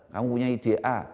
kamu punya ide a